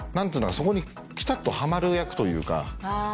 そこにピタっとハマる役というか。